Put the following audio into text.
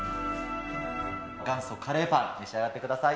元祖カレーパン、召し上がってください。